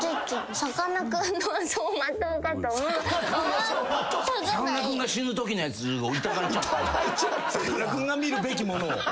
さかなクンが見るべきものを。